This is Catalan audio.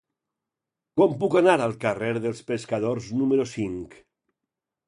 Com puc anar al carrer dels Pescadors número cinc?